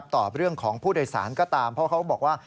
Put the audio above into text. ต่อเรื่องของผู้โดยสารก็ตามเพราะเขาบอกว่า